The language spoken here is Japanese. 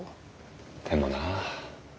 でもなあ。